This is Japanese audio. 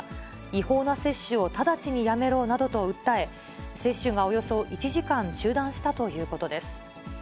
違法な接種を直ちにやめろなどと訴え、接種がおよそ１時間中断したということです。